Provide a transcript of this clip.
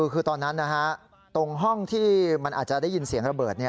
คือตอนนั้นตรงห้องที่มันอาจจะได้ยินเสียงระเบิด